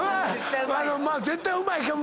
・絶対うまいよ。